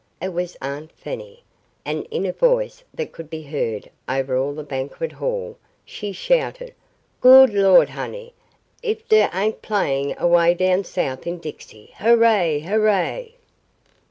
It was Aunt Fanny, and in a voice that could be heard all over the banquet hall, she shouted: "Good Lawd, honey, ef der ain't playin' 'Away Down South in Dixie,' Hooray! Hooray!"